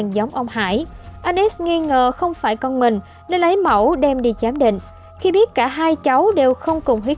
do ông hải không đến nên gia đình anh x không đồng ý